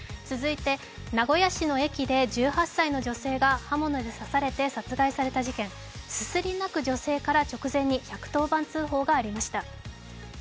名古屋市の駅で１８歳の女性が刃物で刺されて殺害された事件、すすり泣く女性から直前に１１０番通報がありました。